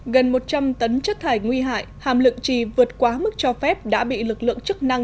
gần một trăm linh tấn chất thải nguy hại hàm lượng trì vượt quá mức cho phép đã bị lực lượng chức năng